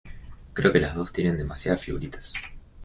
Creo que las dos tienen demasiadas figuritas.